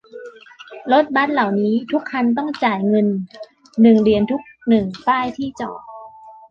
รถบัสเหล่านี้ทุกคันต้องจ่ายเงินหนึ่งเหรียญทุกหนึ่งป้ายที่จอด